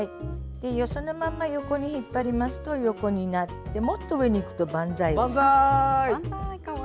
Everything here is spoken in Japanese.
そのまま横に引っ張りますと横になってもっと上に行くと、万歳です。